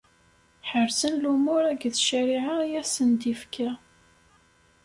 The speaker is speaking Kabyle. Ḥerzen lumuṛ akked ccariɛa i asen-d-ifka.